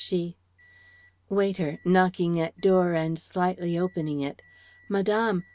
She..." Waiter (knocking at door and slightly opening it): "Madame!